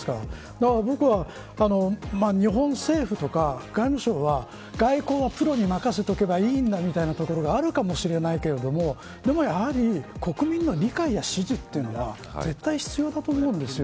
だから僕は、日本政府とか外務省は、外交はプロに任せておけばいいんだみたいなところがあるかもしれないけれどもでもやはり国民の理解や支持というのが絶対に必要だと思うんですよ。